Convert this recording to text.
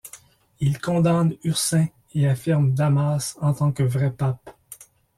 Il condamne Ursin et affirme Damase en tant que vrai pape.